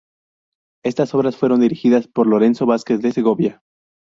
Estas obras fueron dirigidas por Lorenzo Vázquez de Segovia.